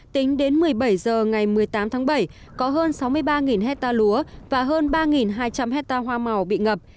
tính đến một mươi bảy h ngày một mươi tám tháng bảy có hơn sáu mươi ba hecta lúa và hơn ba hai trăm linh hectare hoa màu bị ngập